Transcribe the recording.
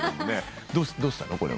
どうしたの？